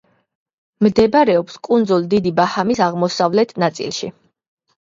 მდებარეობს კუნძულ დიდი ბაჰამის აღმოსავლეთ ნაწილში.